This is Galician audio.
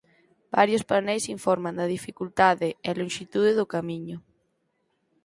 Varios paneis informan da dificultade e lonxitude do camiño.